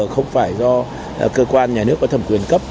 không phải do cơ quan nhà nước có thẩm quyền cấp